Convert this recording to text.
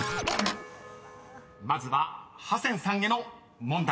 ［まずはハセンさんへの問題］